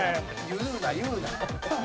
言うな言うな。